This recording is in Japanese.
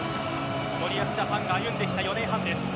森保ジャパンが歩んできた４年間です。